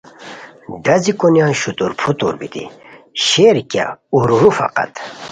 ڈازی کونیان شوتورپھوتور بیتی شیر کیہ اورورو فقط